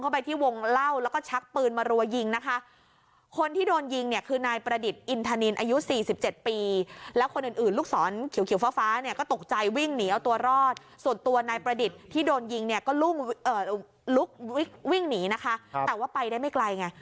ประดิษฐ์ที่โดนยิงเนี่ยก็ลุ้งเอ่อลุกวิ่งหนีนะคะครับแต่ว่าไปได้ไม่ไกลไง